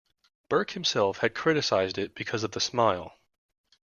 Burke himself had criticized it because of the smile.